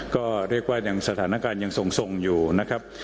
ก็เรียกว่ายังสถานการณ์ยังทรงอยู่นะครับ